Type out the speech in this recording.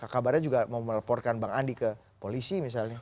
kabarnya juga mau melaporkan bang andi ke polisi misalnya